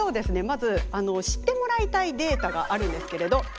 まず知ってもらいたいデータがあるんですけれどクイズです。